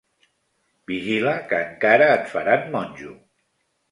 Vigila, que encara et faran monjo.